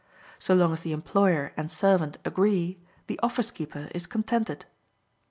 So long as the employer and servant agree, the office keeper is contented.